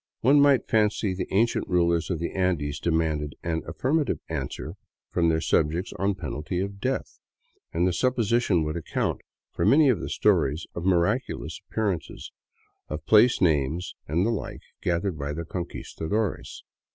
One might fancy the ancient rulers of the Andes demanded an affirmative answer from their sub jects on penalty of death; and the supposition would account for many of the stories of miraculous appearances, of place names and the like, gathered by the Conquistadores.